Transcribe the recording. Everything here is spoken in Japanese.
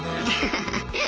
ハハハッ。